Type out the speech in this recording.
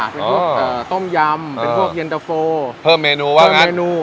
เป็นพวกต้มยำเป็นพวกเย็นตะโฟเพิ่มเมนูว่างั้นเมนู